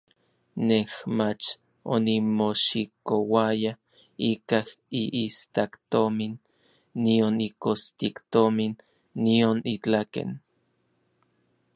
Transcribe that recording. Nej mach onimoxikouaya ikaj iistaktomin nion ikostiktomin, nion itlaken.